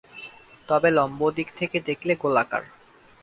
তবে লম্ব দিক থেকে দেখলে গোলাকার।